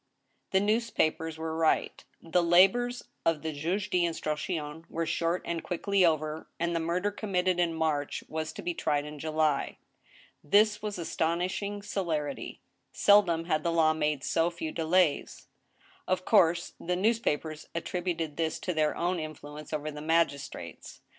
The newspapers were right. The labors of thejt^e d* instruct Hon were short and quickly over, and the murder committed in March was to be tried in July. This was astonishing celerity. Seldom had the law made so few delays. Of course, the newspapers attributed this to their own influence over the magistrates.